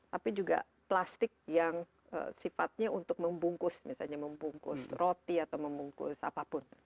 tapi juga plastik yang sifatnya untuk membungkus misalnya membungkus roti atau membungkus apapun